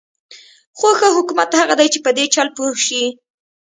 خو ښه حکومت هغه دی چې په دې چل پوه شي.